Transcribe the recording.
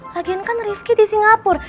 lagian kan rifqi di singapur